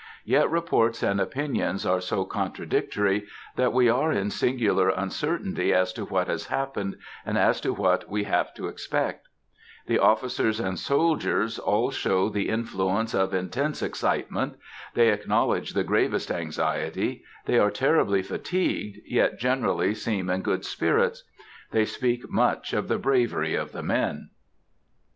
Yet reports and opinions are so contradictory, that we are in singular uncertainty as to what has happened and as to what we have to expect The officers and soldiers all show the influence of intense excitement; they acknowledge the gravest anxiety; they are terribly fatigued, yet generally seem in good spirits. They speak much of the bravery of the men.